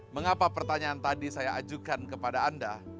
mengapa pertanyaan tadi saya ajukan kepada anda